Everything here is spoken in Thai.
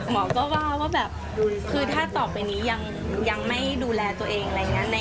หมอก็ว่าว่าแบบคือถ้าต่อไปนี้ยังไม่ดูแลตัวเองอะไรอย่างนี้